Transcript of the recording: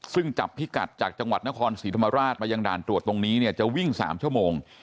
ซึ่งจับพิกัดจากจังหวัดนครศรีธรรมราชมายังด่านตรวจตรงนี้เนี่ยจะวิ่ง๓ชั่วโมง